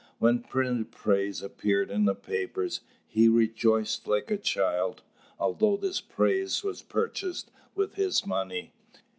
When printed praise appeared in the papers, he rejoiced like a child, although this praise was purchased with his money.